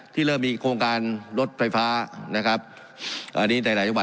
เริ่มมีโครงการรถไฟฟ้านะครับอันนี้ในหลายจังหวัด